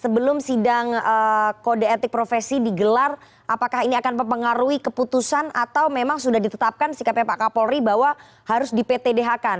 sebelum sidang kode etik profesi digelar apakah ini akan mempengaruhi keputusan atau memang sudah ditetapkan sikapnya pak kapolri bahwa harus di ptdh kan